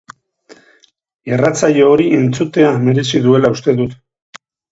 Irratsaio hori entzutea merezi duela uste dut.